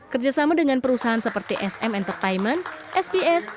kerjasama dengan perusahaan seperti sm entertainment sps